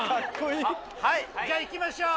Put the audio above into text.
じゃあいきましょう。